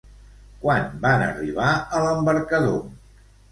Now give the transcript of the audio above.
Quan van arribar a l'embarcador?